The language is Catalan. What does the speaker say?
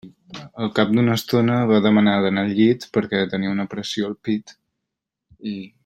Al cap d'una estona va demanar d'anar al llit perquè tenia una pressió al pit.